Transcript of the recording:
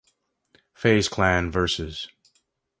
Faze Clan vs.